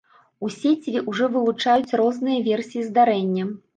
У сеціве ўжо вылучаюць розныя версіі здарэння.